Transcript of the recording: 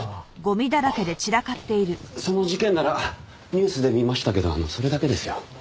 その事件ならニュースで見ましたけどそれだけですよ。